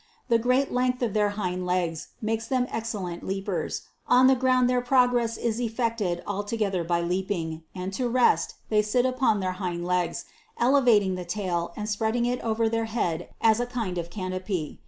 The great length of their hind legs makes them excellent leapers ; on the ground their progression is effected altogether by leaping ; and to rest, they sit upon their hind legs, elevating the tail and spreading it over their head as a kind of canopy.